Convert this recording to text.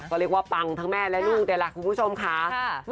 ก็เรียกว่าปังทั้งแม่และลูกนี่แหละคุณผู้ชมค่ะ